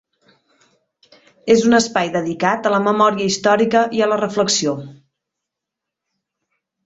És un espai dedicat a la memòria històrica i a la reflexió.